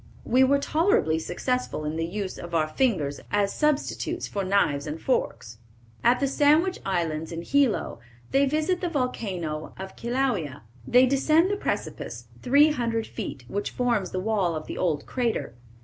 We were tolerably successful in the use of our fingers as substitutes for knives and forks." At the Sandwich Islands, in Hilo, they visit the volcano of Kilauea. They descend the precipice, three hundred feet, which forms the wall of the old crater.